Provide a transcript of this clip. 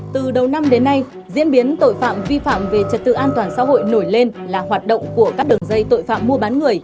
từ đầu năm đến nay diễn biến tội phạm vi phạm về trật tự an toàn xã hội nổi lên là hoạt động của các đường dây tội phạm mua bán người